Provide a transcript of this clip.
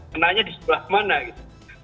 kenanya di sebelah mana gitu